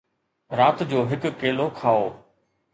رات جو هڪ کيلو کائو